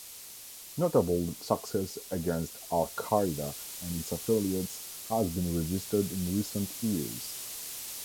Notable success against Al-Qaida and its affiliates has been registered in recent years.